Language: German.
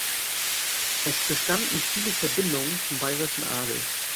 Es bestanden viele Verbindungen zum Bayerischen Adel.